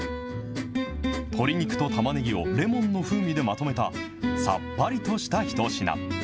鶏肉とたまねぎをレモンの風味でまとめた、さっぱりとした一品。